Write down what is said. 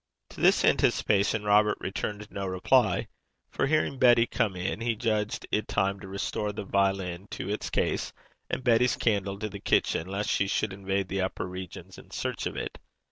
To this anticipation Robert returned no reply, for, hearing Betty come in, he judged it time to restore the violin to its case, and Betty's candle to the kitchen, lest she should invade the upper regions in search of it.